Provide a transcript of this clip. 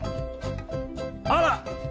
あら！